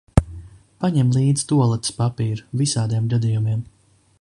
Paņem līdzi tualetes papīru, visādiem gadījumiem.